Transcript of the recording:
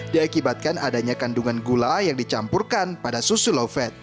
diakibatkan adanya kandungan gula yang dicampurkan pada susu low fat